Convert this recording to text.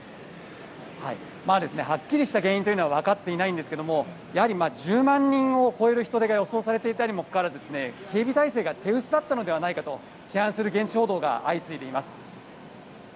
はっきりした原因は分かっていないんですけどもやはり、１０万人を超える人出が予想されていたにもかかわらず警備態勢が手薄だったのではないかと批判する現地報道が相次いでいます。